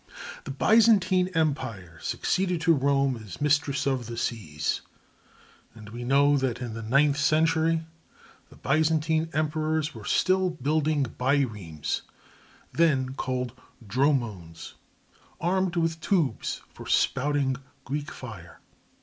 The Byzantine empire succeeded to Rome as mistress of the seas, and we know that in the ninth century the Byzantine emperors were still building biremes (then called dromones) armed with tubes for spouting Greek fire.